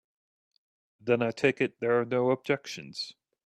Then I take it there are no objections.